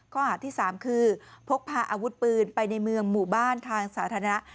ข้อหาที่๓คือพกพาอาวุธปืนไปในเมืองหมู่บ้านทางสาธารณะ